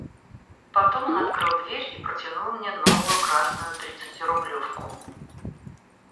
Потом он открыл дверь и протянул мне новую красную тридцатирублевку.